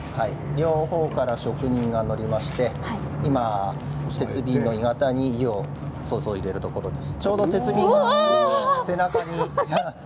両方から職人が来まして今、鉄瓶の鋳型の中に今流し込んでいるところです。